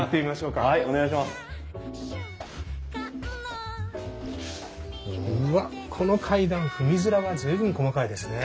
うわっこの階段踏み面が随分細かいですね。